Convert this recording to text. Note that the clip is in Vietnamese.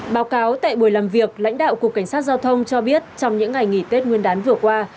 báo cáo tại buổi làm việc lãnh đạo cục cảnh sát giao thông cho biết trong những ngày nghỉ tết nguyên đán vừa qua